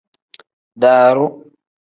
Daaru.